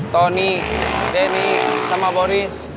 tony danny sama boris